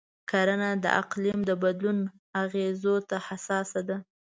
کرنه د اقلیم د بدلون اغېزو ته حساسه ده.